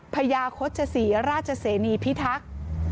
พยาคชศรีราชเซนีพิทักษ์